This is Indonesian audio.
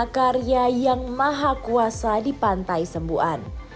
karya yang maha kuasa di pantai sembuan